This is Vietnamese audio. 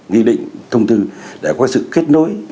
nghĩ định thông thư để có sự kết nối